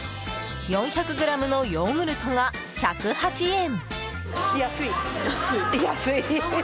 ４００ｇのヨーグルトが１０８円。